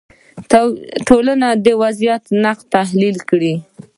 ټولنو وضعیت نقد تحلیل کړي